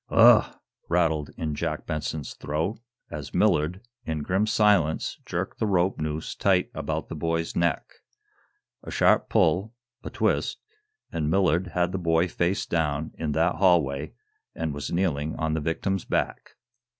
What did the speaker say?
"Ug g g gh!" rattled in Jack Benson's throat, as Millard, in grim silence, jerked the rope noose tight about the boy's neck. A sharp pull, a twist, and Millard had the boy face down in that hallway, and was kneeling on the victim's back.